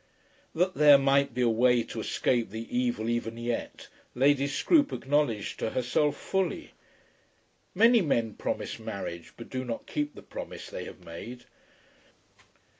That there might be a way to escape the evil even yet Lady Scroope acknowledged to herself fully. Many men promise marriage but do not keep the promise they have made.